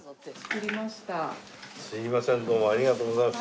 すいませんどうもありがとうございます。